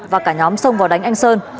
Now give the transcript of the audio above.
và cả nhóm xông vào đánh anh sơn